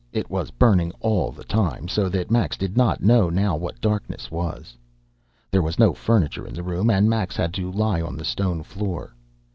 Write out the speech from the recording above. It was burning all the time, so that Max did not know now what darkness was. There was no furniture in the room, and Max had to lie on the stone floor.